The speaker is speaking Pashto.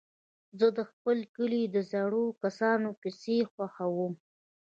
زه د خپل کلي د زړو کسانو کيسې خوښوم.